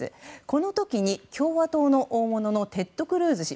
このときに、共和党の大物のテッド・クルーズ氏。